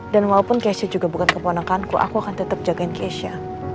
dan walaupun kezia juga bukan keponokanku aku akan tetap jagain kezia